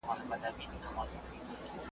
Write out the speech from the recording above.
د اکټوبر پر اوومه نېټه .